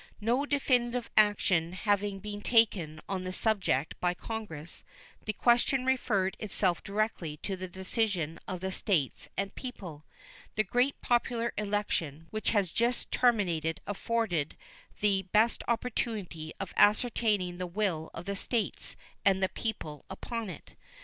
No definitive action having been taken on the subject by Congress, the question referred itself directly to the decision of the States and people. The great popular election which has just terminated afforded the best opportunity of ascertaining the will of the States and the people upon it.